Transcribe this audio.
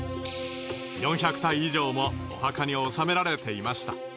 ４００体以上もお墓に納められていました。